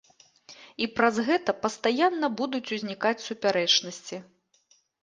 І праз гэта пастаянна будуць узнікаць супярэчнасці.